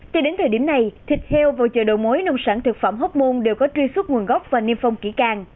thì đến thời điểm này thịt heo vào chợ đầu mối nông sản thực phẩm hốc môn đều có truy xuất nguồn gốc và niêm phong kỹ càng